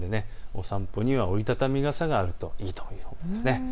お散歩には折り畳み傘があるといいと思います。